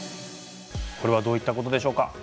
これはどういったことでしょうか？